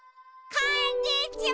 こんにちは！